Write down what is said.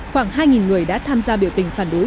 khoảng hai người đã tham gia biểu tình phản đối